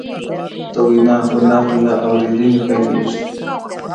د وینا هنر له اورېدنې پیلېږي